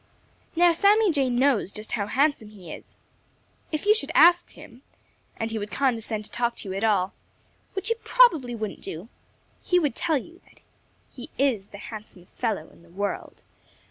Now Sammy Jay knows just how handsome he is. If you should ask him, and he would condescend to talk to you at all, which he probably wouldn't do, he would tell you that he is the handsomest fellow in the world.